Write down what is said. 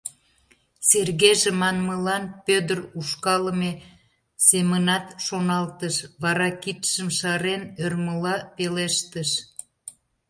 «Сергеже» манмылан Пӧдыр ушкалыме семынат шоналтыш, вара, кидшым шарен, ӧрмыла пелештыш: